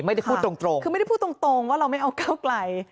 ไม่ได้พูดตรงคือไม่ได้พูดตรงตรงว่าเราไม่เอาก้าวไกล